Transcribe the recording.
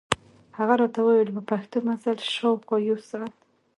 هغه راته ووېل په پښو مزل، شاوخوا یو ساعت.